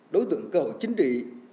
đối tượng cơ hội chính trị